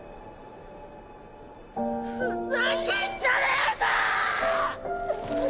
ふざけんじゃねえぞーっ！！